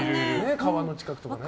川の近くとかね。